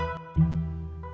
gak ada apa apa